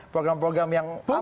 program program yang apa ya